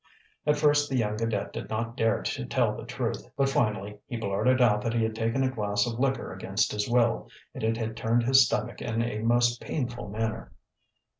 At first the young cadet did not dare to tell the truth, but finally he blurted out that he had taken a glass of liquor against his will and it had turned his stomach in a most painful manner.